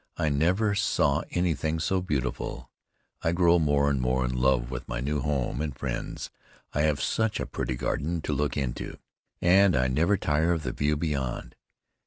"I never saw anything so beautiful. I grow more and more in love with my new home and friends. I have such a pretty garden to look into, and I never tire of the view beyond."